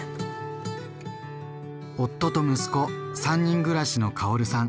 夫と息子３人暮らしのカオルさん。